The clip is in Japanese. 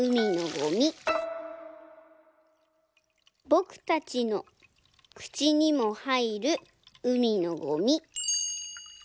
「ぼくたちのくちにもはいるうみのゴミ」。